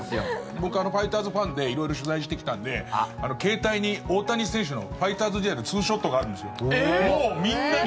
僕ファイターズファンで色々取材してきたんで、携帯に大谷選手のファイターズ時代のツーショットがあるんですよ。